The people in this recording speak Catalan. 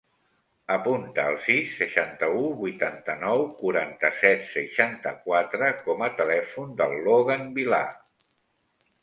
Apunta el sis, seixanta-u, vuitanta-nou, quaranta-set, seixanta-quatre com a telèfon del Logan Vilar.